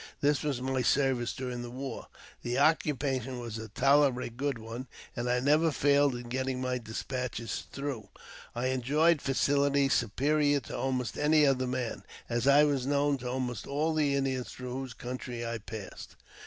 This was my service during the war. The occupation was a tolerably good one, and I never failed in getting my despatches through. I enjoyed facilities superior to almost any other man, as I was known to almost all the Indians through whose country I passed.